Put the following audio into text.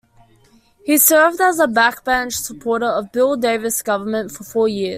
He served as a backbench supporter of Bill Davis's government for four years.